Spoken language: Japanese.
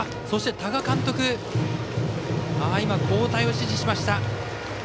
多賀監督、交代を指示しました。